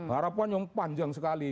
harapan yang panjang sekali